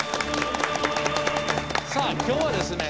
さあ今日はですね